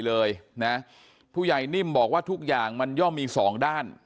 เลยนะผู้ใหญ่นิ่มบอกว่าทุกอย่างมันย่อมมีสองด้าน